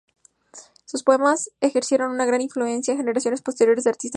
Sus poemas ejercieron una gran influencia en generaciones posteriores de artistas uruguayos.